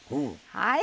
はい。